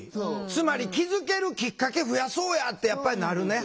つまり気付けるきっかけ増やそうやってやっぱりなるね。